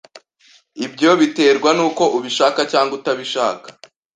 Ibyo biterwa nuko ubishaka cyangwa utabishaka.